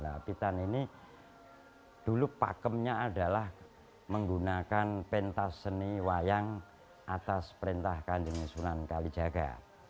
apitan ini dulu pakemnya adalah menggunakan pentas seni wayang atas perintah kandungan sunan kalijaga